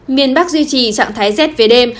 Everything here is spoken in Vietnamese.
miền bắc duy trì trạng thái rét về đêm